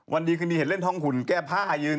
วันดีคืนดีเห็นเล่นทองขุนแก้ภาพหายืน